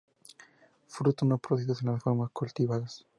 Frutos no producidos en las formas cultivadas.